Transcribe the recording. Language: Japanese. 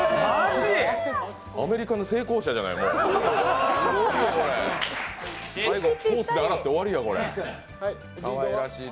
アメリカの成功者じゃない。